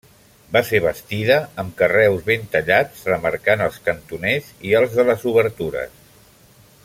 Va ser bastida amb carreus ben tallats remarcant els cantoners i els de les obertures.